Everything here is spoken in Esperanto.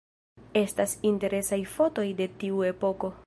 Estas interesaj fotoj de tiu epoko.